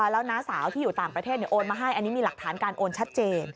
แล้วนะสาวที่อยู่ต่างประเทศโอนมาให้